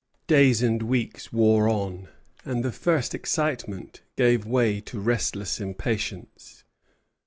Days and weeks wore on, and the first excitement gave way to restless impatience.